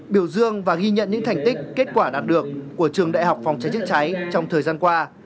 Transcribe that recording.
biểu dương và ghi nhận những thành tích kết quả đạt được của trường đại học phòng cháy chữa cháy trong thời gian qua